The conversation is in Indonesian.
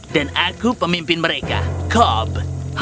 dan aku pemimpin mereka cob